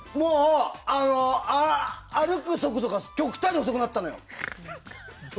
歩く速度が極端に遅くなったのよ。